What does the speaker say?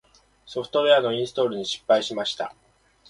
ソフトウェアのインストールに失敗しました。